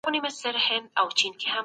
موږ کولای سو چي نوي اپلیکیشنونه جوړ کړو.